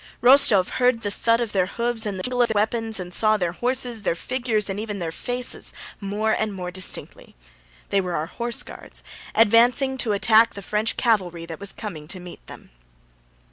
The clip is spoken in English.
Rostóv heard the thud of their hoofs and the jingle of their weapons and saw their horses, their figures, and even their faces, more and more distinctly. They were our Horse Guards, advancing to attack the French cavalry that was coming to meet them.